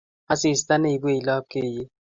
Asista neibwech lapkeiyet